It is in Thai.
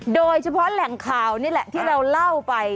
โดยเฉพาะแหล่งข่าวนี่แหละที่เราเล่าไป